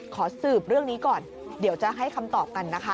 ขอสืบเรื่องนี้ก่อนเดี๋ยวจะให้คำตอบกันนะคะ